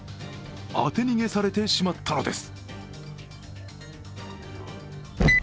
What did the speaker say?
当て逃げされてしまったのです。